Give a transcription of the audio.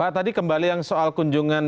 tadi kembali yang soal kunjungan